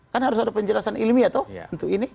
kan harus ada penjelasan ilmiah toh untuk ini